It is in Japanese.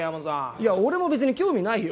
いや俺も別に興味ないよ。